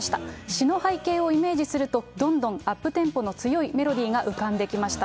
詞の背景をイメージすると、どんどんアップテンポの強いメロディーが浮かんできました。